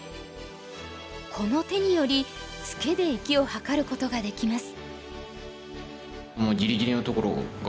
この手によりツケで生きを図ることができます。